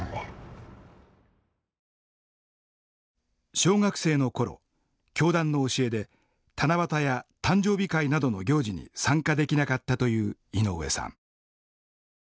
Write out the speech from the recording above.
小学生のころ教団の教えで七夕や誕生日会などの行事に参加できなかったという井上さん。